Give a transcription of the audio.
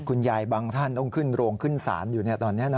คุณยายบางท่านต้องขึ้นโรงขึ้นศาลอยู่เนี่ยตอนนี้นะ